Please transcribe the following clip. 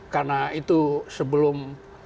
karena itu sebelum